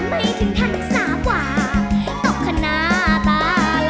ไม่ถึงทันสาปว่าตกขณะตาล้อ